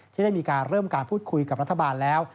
ที่ได้มีการเริ่มการพูดคุยกับรัฐบาลแล้ว